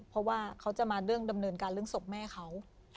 เพราะว่าเขาจะมาเรื่องดำเนินการเรื่องศพแม่เขา